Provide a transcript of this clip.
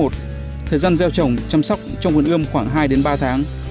thời gian gieo trồng chăm sóc trong vườn ươm khoảng hai ba tháng